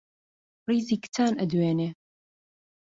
ڕیزی کچان ئەدوێنێ